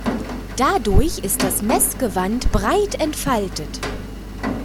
Dadurch ist das Messgewand breit entfaltet.